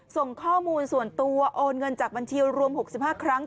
ส่งข้อมูลส่วนตัวโอนเงินจากบัญชีรวม๖๕ครั้ง